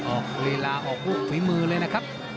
ออกเวลาออกอุ๊บฝีมือเลยนะครับ